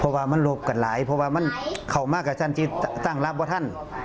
กลดข้าวมาพักข้าวมาคนค่อนหน้าข้าวมาประมาณ๒พัน